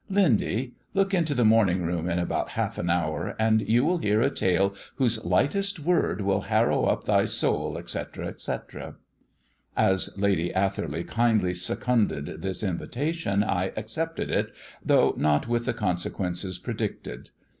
Lindy, look into the morning room in about half an hour, and you will hear a tale whose lightest word will harrow up thy soul, etc., etc." As Lady Atherley kindly seconded this invitation I accepted it, though not with the consequences predicted.